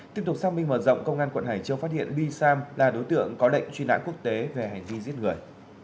tiếp tục xác minh mở rộng công an quận hải châu phát hiện bi sam là đối tượng có lệnh truy nã quốc tế về hành vi giết người